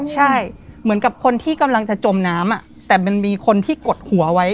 ใช่เหมือนกับคนที่กำลังจะจมน้ำแต่มันมีคนที่กดหัวไว้